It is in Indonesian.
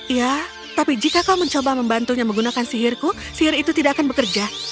ya tapi jika kau mencoba membantunya menggunakan sihirku sihir itu tidak akan bekerja